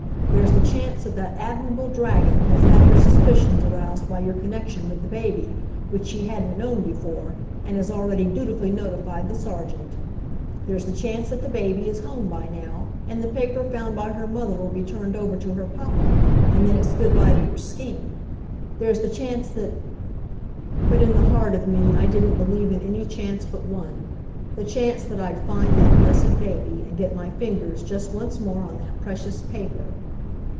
"There's the chance that that admirable dragon has had her suspicions aroused by your connection with the baby, which she hadn't known before, and has already dutifully notified the Sergeant. There's the chance that the baby is home by now, and the paper found by her mother will be turned over to her papa; and then it's good by to your scheme. There's the chance that " But in the heart of me I didn't believe in any chance but one the chance that I'd find that blessed baby and get my fingers just once more on that precious paper.